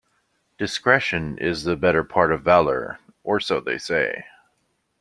Discretion is the better part of valour, or so they say.